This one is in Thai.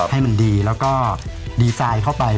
ให้มันดีแล้วก็ดีไซน์เข้าไป